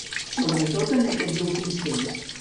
Sobretot aquests últims temps.